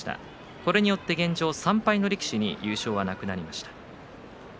これによって３敗の力士に優勝の可能性は、なくなりました。